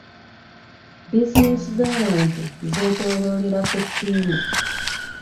Bizinensi z'abantu zeetooloolera ku ttiimu.